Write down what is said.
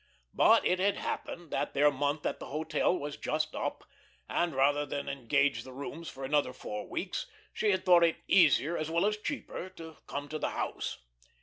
But it had happened that their month at the hotel was just up, and rather than engage the rooms for another four weeks she had thought it easier as well as cheaper to come to the house.